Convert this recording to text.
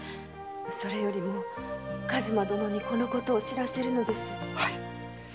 それよりも数馬殿にこのことを報せるのです。